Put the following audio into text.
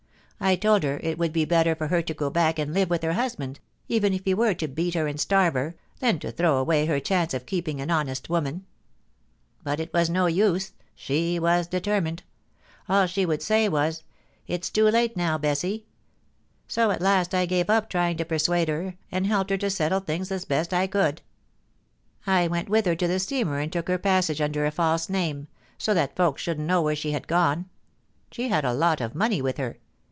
I told her it would be better for her to go back and live with her husband, even if he were to beat her and starve her, than to throw away her chance of keeping an honest womaa But it was no use. She was determined. All she would say was :' It's too late now, Bessie' So at last I gave up trying to persuade her, and helped her to settle things as best I could I went with her to the steamer, and took her 394 POLICY AND PASSION. passage under a false name, so that folks shouldn't know where she had gone. She had a lot of money with her.